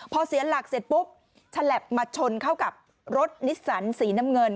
พอเสียหลักเสร็จปุ๊บฉลับมาชนเข้ากับรถนิสสันสีน้ำเงิน